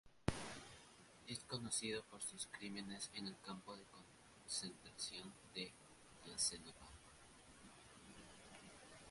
Es conocido por sus crímenes en el campo de concentración de Jasenovac.